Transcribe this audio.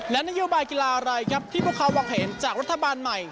และนโยบายกีฬาอะไรครับที่พวกเขามองเห็นจากรัฐบาลใหม่